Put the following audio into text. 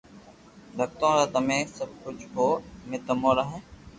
ڀگتو را تمي سب ڪجھ ھون امي تمو را ھي